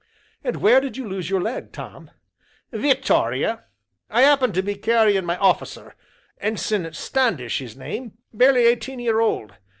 "And where did you lose your leg, Tom?" "Vittoria I 'appened to be carrying my off'cer, Ensign Standish his name, barely eighteen year old.